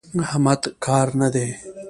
احمد کاره نه دی.